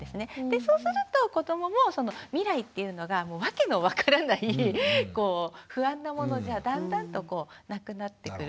そうすると子どもも未来というのが訳の分からない不安なものじゃだんだんとなくなってくる。